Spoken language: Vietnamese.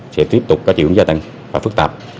sẽ tiếp tục có triệu gia tăng và phức tạp